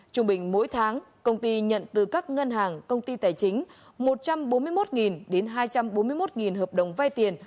trung bình mỗi tháng công ty nhận từ các ngân hàng công ty tài chính một trăm bốn mươi một đến hai trăm bốn mươi một hợp đồng vai tiền